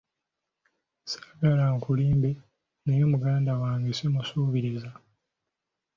Ssaagala kulimba naye muganda wange simusuubiriza.